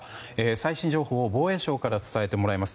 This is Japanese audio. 最新情報を防衛省から伝えてもらいます。